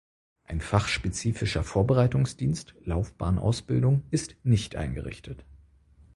Ein fachspezifischer Vorbereitungsdienst (Laufbahnausbildung) ist nicht eingerichtet.